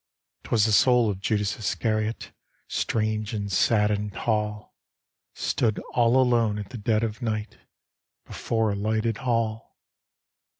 'Twas the soul of Judas Iscariot, Strange and sad and tall. Stood all alone at the dead of night. Before a lighted hall.